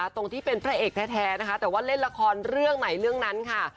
ตรงที่เป็นพระเอกแท้นะคะแต่ว่าเล่นละครเรื่องไหนเรื่องนั้นค่ะ